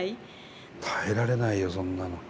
耐えられないよ、そんなの。